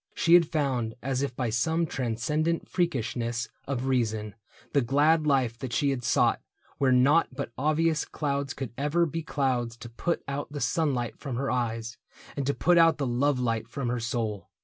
She had found, As if by some transcendent freakishness Of reason, the glad life that she had sought Where naught but obvious clouds could ever be clouds to put out the sunlight from her eyes, And to put out the love light from her soul.